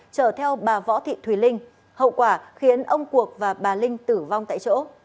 chở theo bà võ thị thùy linh hậu quả khiến ông cuộc và bà linh tử vong tại chỗ